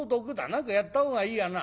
何かやったほうがいいやな。